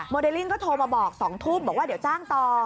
เดลิ่งก็โทรมาบอก๒ทุ่มบอกว่าเดี๋ยวจ้างต่อ